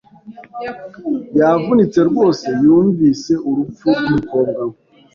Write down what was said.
Yavunitse rwose yumvise urupfu rwumukobwa we.